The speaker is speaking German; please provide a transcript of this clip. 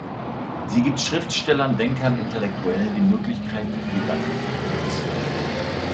Sie gibt Schriftstellern, Denkern, Intellektuellen die Möglichkeit ihre Gedanken zu publizieren.